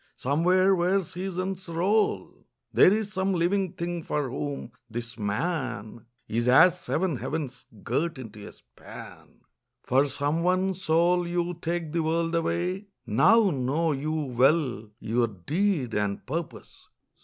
somewhere where seasons roll There is some living thing for whom this man Is as seven heavens girt into a span, For some one soul you take the world away Now know you well your deed and purpose.